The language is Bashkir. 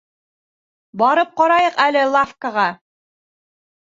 Барып ҡарайыҡ әле лавкаға.